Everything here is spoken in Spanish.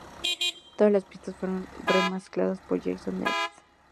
Todas las pistas fueron remezcladas por Jason Nevins.